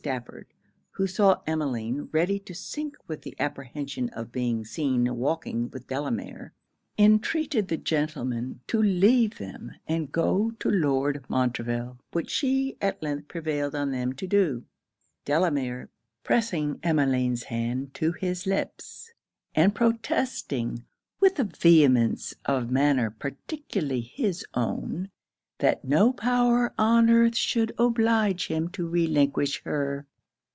Stafford, who saw Emmeline ready to sink with the apprehension of being seen walking with Delamere, intreated the gentlemen to leave them and go to Lord Montreville; which she at length prevailed on them to do; Delamere pressing Emmeline's hand to his lips, and protesting, with a vehemence of manner particularly his own, that no power on earth should oblige him to relinquish her.